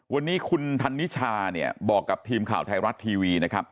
วันนี้คุณธันนิชาเนี่ยบอกกับทีมข่าวไทยรัฐทีวีนะครับ